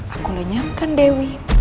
aku lenyapkan dewi